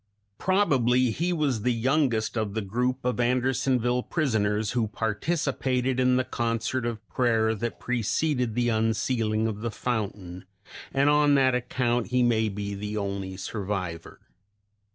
Probably he was the youngest of the group of Andersonville prisoners who participated in the concert of prayer that preceded the unsealing of the fountain, and on that account he may be the only survivor.